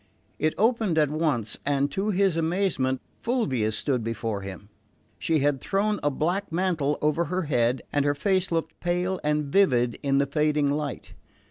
It opened at once, and to his amazement Fulvia stood before him. She had thrown a black mantle over her head, and her face looked pale and vivid in the fading light.